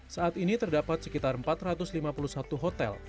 saat ini terdapat sekitar empat ratus lima puluh satu hotel